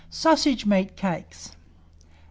SAUSAGE MEAT CAKES. 839.